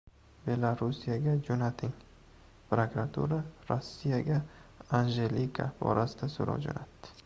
"Belorussiyaga jo‘nating": prokuratura Rossiyaga Anjelika borasida so‘rov jo‘natdi